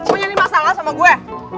mau nyari masalah sama gue